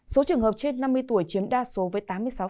số trường hợp trên năm mươi tuổi chiếm đa số với tám mươi sáu